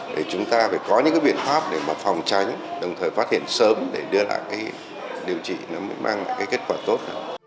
để chúng ta phải có những biện pháp để mà phòng tránh đồng thời phát hiện sớm để đưa lại cái điều trị nó mới mang lại cái kết quả tốt